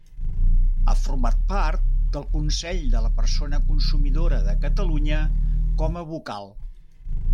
Ha format part del Consell de la Persona Consumidora de Catalunya com a vocal.